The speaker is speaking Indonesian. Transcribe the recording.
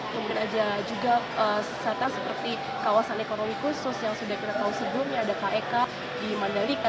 kemudian ada juga kesehatan seperti kawasan ekonomi khusus yang sudah kita tahu sebelumnya ada kek di mandalika